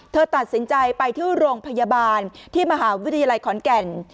เธอตัดสินใจไปที่โรงพยาบาลที่มหาวิทยาลัยขอนแก่น